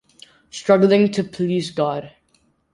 Struggling to please God.